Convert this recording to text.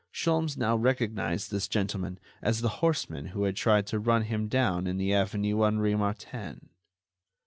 Sholmes now recognized this gentleman as the horseman who had tried to run him down in the avenue Henri Martin.